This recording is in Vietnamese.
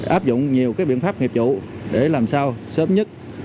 áp dụng nhiều biện pháp nghiệp vụ để làm sao sớm nhất